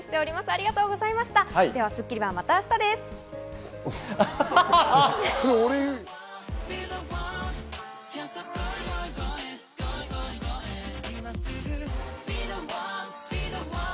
『スッキリ』はまた明日です。